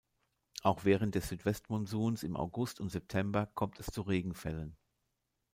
Auch während des Südwestmonsuns im August und September kommt es zu Regenfällen.